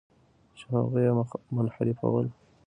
چې هغوی یې منحرفول.